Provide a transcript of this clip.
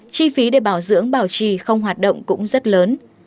chi phí để bảo dưỡng bảo trì không hoạt động cũng rất lớn